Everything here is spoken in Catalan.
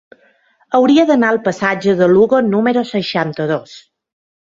Hauria d'anar al passatge de Lugo número seixanta-dos.